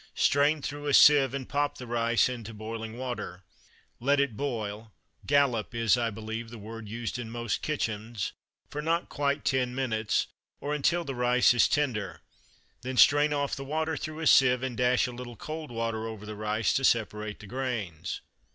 Strain through a sieve, and pop the rice into boiling water. Let it boil "gallop" is, I believe, the word used in most kitchens for not quite ten minutes (or until the rice is tender), then strain off the water through a sieve, and dash a little cold water over the rice, to separate the grains.